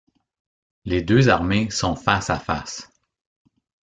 Les deux armées sont face à face.